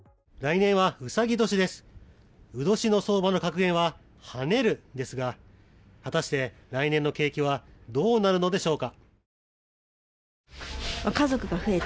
卯年の相場の格言は跳ねるですが果たして、来年の景気はどうなるのでしょうか。